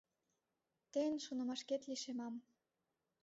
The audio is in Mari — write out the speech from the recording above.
Тыйын шонымашкет лишемам.